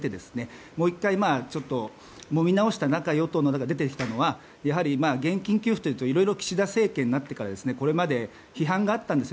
もう１回、もみ直した中与党から出てきたのは現金給付というと岸田政権になってからいろいろ批判があったんです。